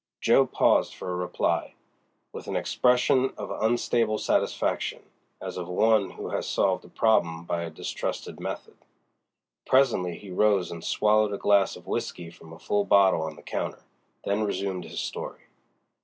Jo. paused for a reply, with an expression of unstable satisfaction, as of one who has solved a problem by a distrusted method. Presently he rose and swallowed a glass of whisky from a full bottle on the counter, then resumed his story.